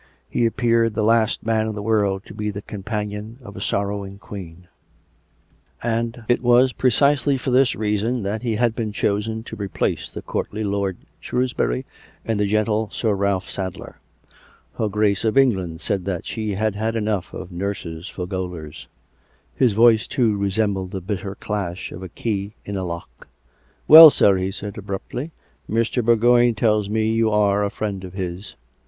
He appeared the last man in the world to be the companion of a sorrowing Queen; and it was precisely for this reason that he had been chosen to replace the courtly lord Shrewsbury and the gentle Sir Ralph Sadler. (Her Grace of England said that she had had enough of nurses for gaolers.) His voice, too, resembled the bitter clash of a key in a lock. " Well, sir," he said abruptly, " Mr. Bourgoign tells me you are a friend of his."